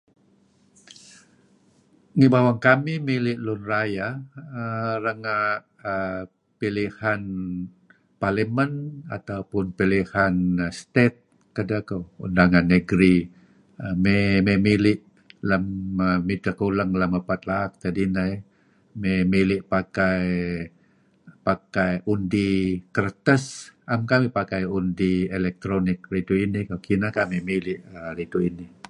Ngi bawang kamih mili' lun rayeh renga' err pilihan parlimen ataupun pilihan state kedeh koh Undangan Negeri mey mili' lem midtah kuleng lem epat laak tad ineh eh. Mey pakai undi kertas, am kamih pakai undi elektronik ridtu' inih.